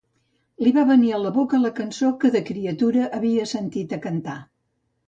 Li va venir a la boca la cançó que de criatura havia sentit cantar: